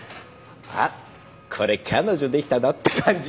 「あっこれ彼女出来たな」って感じ。